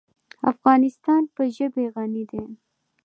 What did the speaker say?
افغانستان په ژبې غني دی.